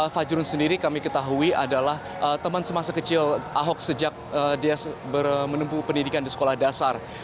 fajrun sendiri kami ketahui adalah teman semasa kecil ahok sejak dia menempuh pendidikan di sekolah dasar